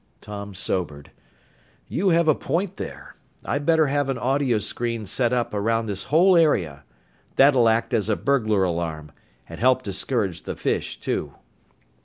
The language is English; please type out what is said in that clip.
Tom sobered. "You have a point there. I'd better have an audio screen set up around this whole area. That'll act as a burglar alarm and help discourage the fish, too."